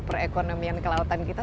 perekonomian kelautan kita